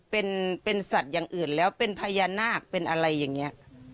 เป็นสัตว์อย่างอื่นแล้วเป็นพญานาคเป็นอะไรอย่างนี้